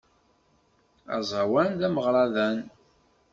Aẓawan d ameɣradan.